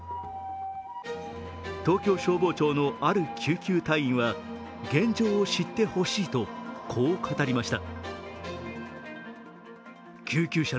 東京消防庁のある救急隊員は現状を知ってほしいとこう語りました。